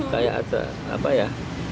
kayak ada apa ya